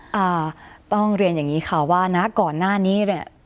อ่าต้องเรียนอย่างนี้ค่ะว่านะก่อนหน้านี้เนี่ย